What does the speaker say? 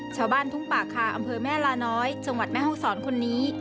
ชาวบ้านทุ่งป่าคาอำเภอแม่ลาน้อยจังหวัดแม่ห้องศรคนนี้